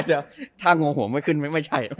เดี๋ยวถ้าโงหัวไม่ขึ้นไม่ใช่